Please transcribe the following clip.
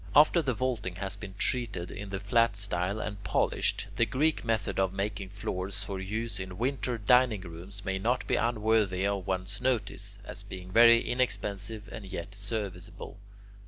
After the vaulting has been treated in the flat style, and polished, the Greek method of making floors for use in winter dining rooms may not be unworthy of one's notice, as being very inexpensive and yet serviceable.